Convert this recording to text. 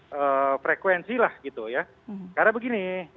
dan juga mencari teman teman yang bisa mengajar